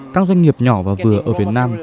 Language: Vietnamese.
các doanh nghiệp nhỏ và vừa ở việt nam